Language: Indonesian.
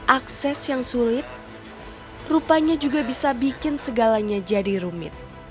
akses yang sulit rupanya juga bisa bikin segalanya jadi rumit